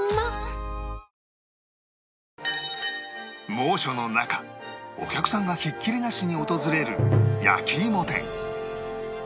猛暑の中お客さんがひっきりなしに訪れる焼き芋店